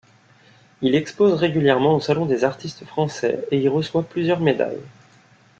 Il expose régulièrement au Salon des artistes français et y reçoit plusieurs médailles.